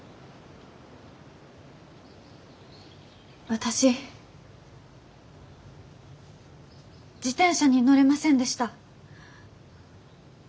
私自転車に乗れませんでした。